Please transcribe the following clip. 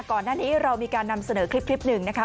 ก่อนหน้านี้เรามีการนำเสนอคลิปหนึ่งนะคะ